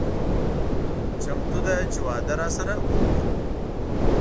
چمتو ده چې واده راسره وکړي.